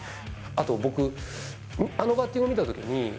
あと僕、あのバッティングを見たときに、